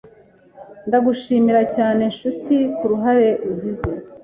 Ndagushimira cyane nshuti kuruhare ugize